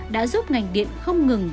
đã giúp ngành điện không ngừng